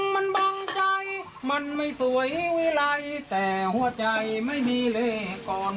มีเวลาแต่หัวใจไม่มีเลยก่อน